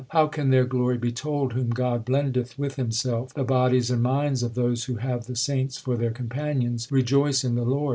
How can their glory be told whom God blendeth with Himself ? The bodies and minds of those who have the saints for their companions rejoice in the Lord.